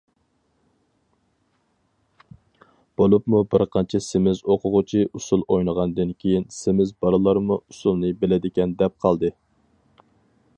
بولۇپمۇ بىر قانچە سېمىز ئوقۇغۇچى ئۇسسۇل ئوينىغاندىن كېيىن سېمىز بالىلارمۇ ئۇسسۇلنى بىلىدىكەن دەپ قالدى.